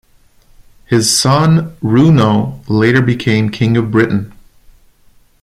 His son Runo later became king of Britain.